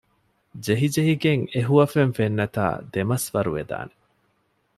ޖެހިޖެހިގެން އެހުވަފެން ފެންނަތާ ދެމަސްވަރުވެދާނެ